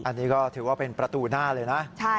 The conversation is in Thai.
อันนี้ก็ถือว่าเป็นประตูหน้าเลยนะ